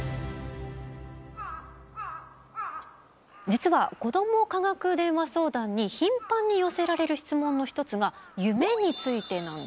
実は子ども科学電話相談にひんぱんに寄せられる質問の一つが夢についてなんです。